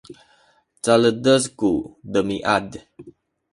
caledes ku demiad